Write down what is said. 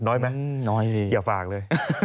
น้อยหน่อยสิอย่าฝากเลย